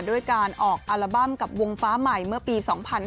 ด้วยการออกอัลบั้มกับวงฟ้าใหม่เมื่อปี๒๕๕๙